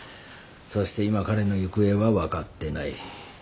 そして今彼の行方は分かってない。